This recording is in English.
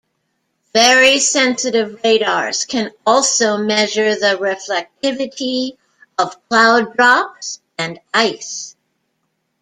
Very sensitive radars can also measure the reflectivity of cloud drops and ice.